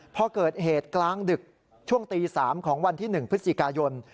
พอเกิดเหตุกลางดึกช่วงตี๓ของวันที่๑พฤศจิกายน